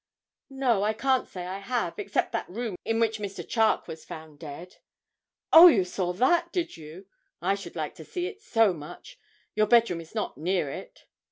'No, I can't say I have, except that room in which Mr. Charke was found dead.' 'Oh! you saw that, did you? I should like to see it so much. Your bedroom is not near it?'